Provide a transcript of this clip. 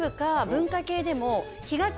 文化系でも。